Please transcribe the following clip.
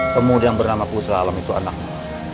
pemuda yang bernama putra alam itu anakmu